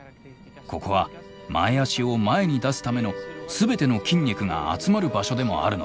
ここは前あしを前に出すための全ての筋肉が集まる場所でもあるのです。